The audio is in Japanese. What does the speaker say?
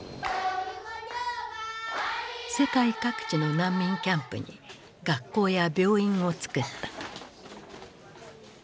世界各地の難民キャンプに学校や病院をつくった。